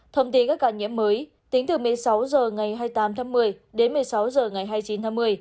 thông tin các ca nhiễm mới tính từ một mươi sáu h ngày hai mươi tám tháng một mươi đến một mươi sáu h ngày hai mươi chín tháng một mươi